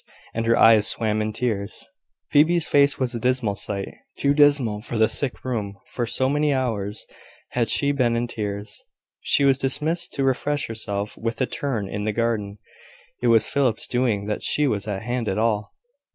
And her eyes swam in tears. Phoebe's face was a dismal sight, too dismal for the sickroom, for so many hours had she been in tears. She was dismissed to refresh herself with a turn in the garden. It was Philip's doing that she was at hand at all.